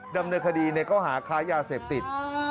ดำเนินคดีในข้อหาค้ายาเสพติด